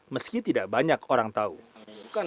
meski tidak banyak orang tahu tentang hal ini